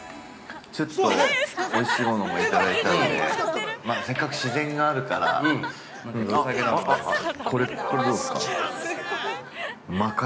◆ちょっとおいしいものもいただいたんでせっかく自然があるからこれ、どうですか。